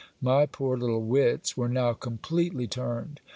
My poor little wits were now completely turned.